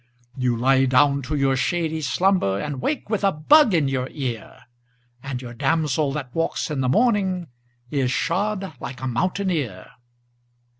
You lie down to your shady slumber And wake with a bug in your ear, And your damsel that walks in the morning Is shod like a mountaineer.